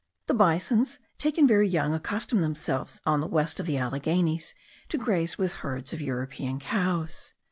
The bisons taken very young accustom themselves, on the west of the Alleghenies, to graze with herds of European cows.